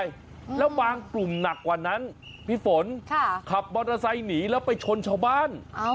แล้วบางกลุ่มหนักกว่านั้นพี่ฝนค่ะขับมอเตอร์ไซค์หนีแล้วไปชนชาวบ้าน